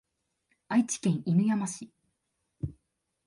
愛知県犬山市